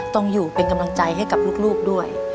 ต้องอยู่เป็นกำลังใจให้กับลูกด้วย